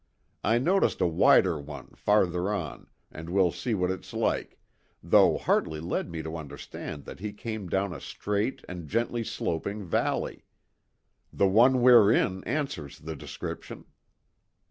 "I noticed a wider one farther on, and we'll see what it's like, though Hartley led me to understand that he came down a straight and gently sloping valley. The one we're in answers the description."